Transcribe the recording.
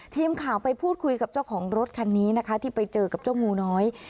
ทีมข่าวไปพูดคุยกับเจ้าของรถคันนี้นะคะที่ไปเจอกับเจ้างูน้อย